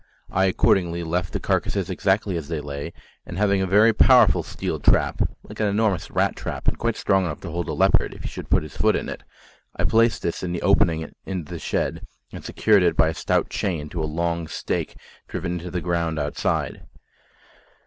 I accordingly left the carcases exactly as they lay, and having a very powerful steel trap like an enormous rat trap, and quite strong enough to hold a leopard if he should put his foot in it I placed this in the opening into the shed and secured it by a stout chain to a long stake driven into the ground outside.